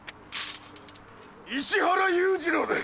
石原裕次郎です！